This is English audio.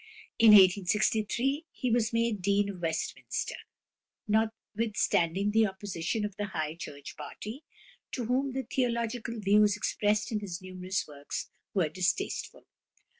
In 1863 he was made Dean of Westminster, notwithstanding the opposition of the High Church party, to whom the theological views expressed in his numerous works were distasteful.